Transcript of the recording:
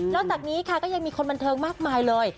แล้วจากนี้ค่ะก็ยังมีคนบันเทิงมากมายเลย